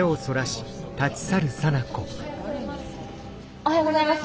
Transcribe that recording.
おはようございます。